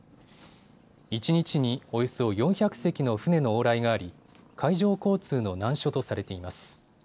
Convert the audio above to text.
一日におよそ４００隻の船の往来があり、海上交通の難所とされています。